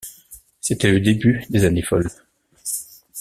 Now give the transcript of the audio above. C'était le début des années folles.